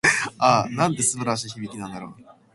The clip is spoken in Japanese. ああ、なんて素晴らしい響きなんだろう。